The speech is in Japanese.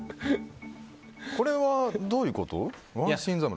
これはどういうこと？